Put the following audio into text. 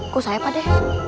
kok saya pade